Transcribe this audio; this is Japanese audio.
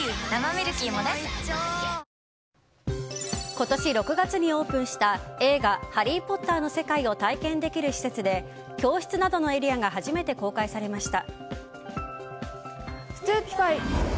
今年６月にオープンした映画「ハリー・ポッター」の世界を体験できる施設で教室などのエリアが初めて公開されました。